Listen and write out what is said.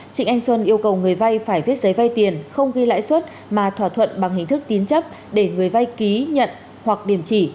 trịnh anh xuân yêu cầu người vay phải viết giấy vay tiền không ghi lãi suất mà thỏa thuận bằng hình thức tín chấp để người vay ký nhận hoặc điểm chỉ